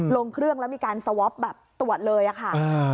ลงเครื่องแล้วมีการสวอปแบบตรวจเลยอะค่ะ